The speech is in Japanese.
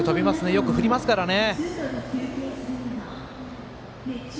よく振りますからね。